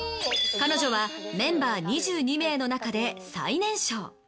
彼女はメンバー２２名の中で最年少。